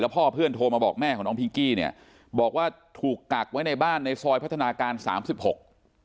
พ่อเพื่อนโทรมาบอกแม่ของน้องพิงกี้เนี่ยบอกว่าถูกกักไว้ในบ้านในซอยพัฒนาการสามสิบหก